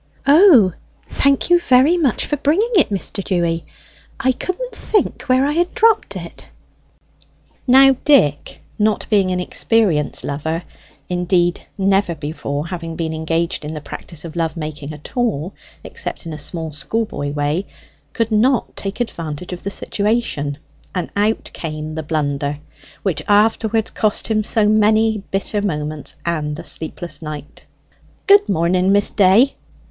"O, thank you very much for bringing it, Mr. Dewy. I couldn't think where I had dropped it." Now Dick, not being an experienced lover indeed, never before having been engaged in the practice of love making at all, except in a small schoolboy way could not take advantage of the situation; and out came the blunder, which afterwards cost him so many bitter moments and a sleepless night: "Good morning, Miss Day."